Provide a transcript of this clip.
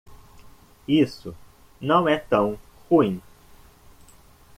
Isso não é tão ruim.